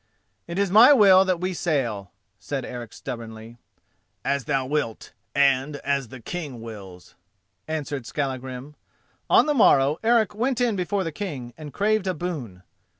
"It is my will that we sail," said Eric stubbornly. "As thou wilt, and as the King wills," answered Skallagrim. On the morrow Eric went in before the King, and craved a boon.